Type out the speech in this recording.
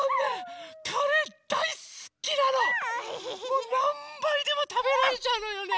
もうなんばいでもたべられちゃうのよね。